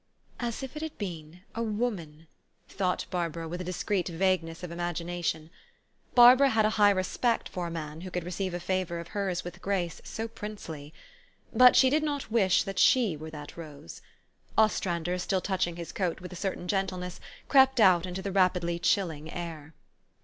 "As if it had been a woman,*' thought Bar bara with a discreet vagueness of imagination. Barbara had a high respect for a man who could receive a favor of hers with a grace so princely. But she did not wish she were that rose. Ostrander, still touching his coat with a certain gentleness, crept out into the rapidly chilling air.